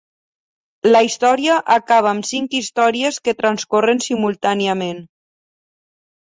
La història acaba amb cinc històries que transcorren simultàniament.